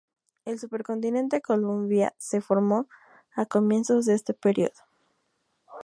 El supercontinente Columbia se formó a comienzos de este período.